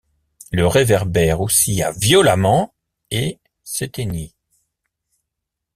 Le réverbère oscilla violemment et s’éteignit.